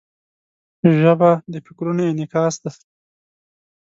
ژبه د فکرونو انعکاس دی